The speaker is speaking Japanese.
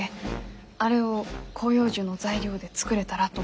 あれを広葉樹の材料で作れたらと思いまして。